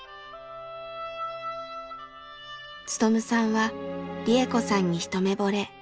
勉さんは利恵子さんに一目ぼれ。